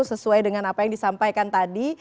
sesuai dengan apa yang disampaikan tadi